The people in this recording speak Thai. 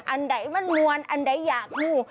อันใดมันมวลอันใดอยากมู